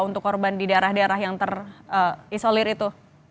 untuk korban di daerah daerah yang terisolir itu